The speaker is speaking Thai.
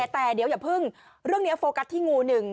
แต่เดี๋ยวอย่าเพิ่งเรื่องนี้โฟกัสที่งูหนึ่ง